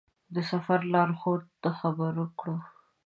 د سفر لارښود خبر کړو.